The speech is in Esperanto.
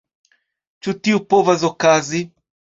Ĉu tio povas okazi?